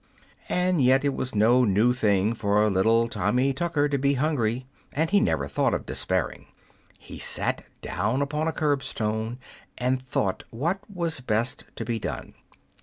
And yet it was no new thing for Little Tommy Tucker to be hungry, and he never thought of despairing. He sat down upon a curb stone, and thought what was best to be done.